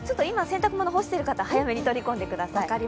今、洗濯ものを干している方、早めに取り込んでください。